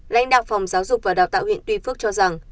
lãnh đạo phòng giáo dục và đào tạo huyện tuy phước cho rằng